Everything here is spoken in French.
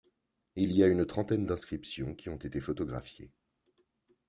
Il y a une trentaine d'inscriptions qui ont été photographiées.